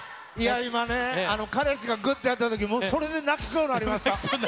今ね、彼氏がぐっとやったとき、それで泣きそうになりました。